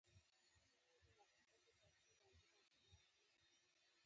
ښوونځی ماشومانو ته د کار اصول ورزده کوي.